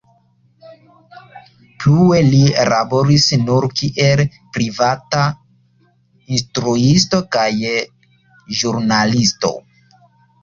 Plue li laboris nur kiel privata instruisto kaj ĵurnalisto.